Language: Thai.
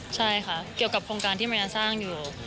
ใช่ค่ะเกี่ยวกับโครงการที่มันยังสร้างอยู่